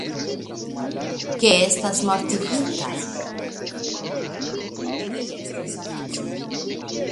Ke estas mortigita.